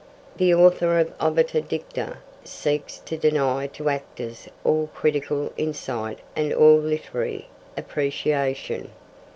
The author of Obiter Dicta seeks to deny to actors all critical insight and all literary appreciation.